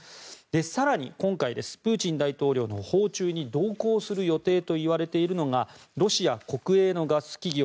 更に今回プーチン大統領の訪中に同行する予定といわれているのがロシア国営のガス企業